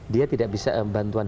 dia tidak bisa bantuan